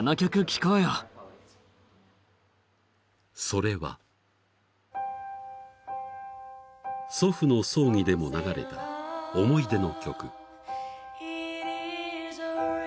［それは祖父の葬儀でも流れた思い出の曲］